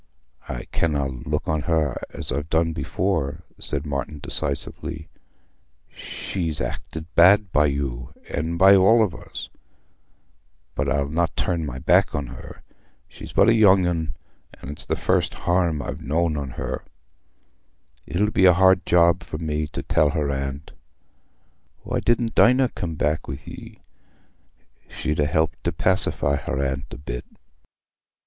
"I canna look on her as I've done before," said Martin decisively. "She's acted bad by you, and by all of us. But I'll not turn my back on her: she's but a young un, and it's the first harm I've knowed on her. It'll be a hard job for me to tell her aunt. Why didna Dinah come back wi' ye? She'd ha' helped to pacify her aunt a bit."